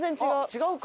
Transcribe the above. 違うか。